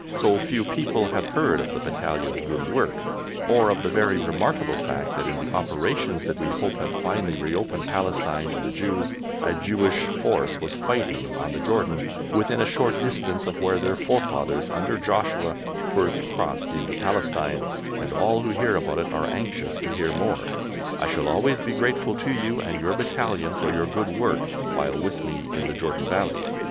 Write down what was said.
So few people have heard of the battalion's good work, or of the very remarkable fact that in the operations that we hope have finally reopened Palestine to the Jews a Jewish force was fighting on the Jordan, within a short distance of where their forefathers, under Joshua, first crossed into Palestine, and all who hear about it are anxious to hear more. I shall always be grateful to you and your battalion for your good work while with me in the Jordan Valley.